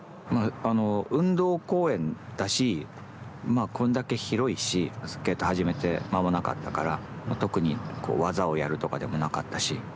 あこんだけ広いしスケート始めて間もなかったから特に技をやるとかでもなかったしまあ